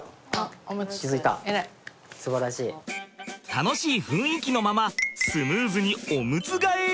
楽しい雰囲気のままスムーズにオムツ替えへ。